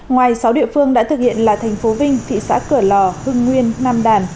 ngoài sáu địa phương đã thực hiện là tp vinh thị xã cửa lò hưng nguyên nam đàn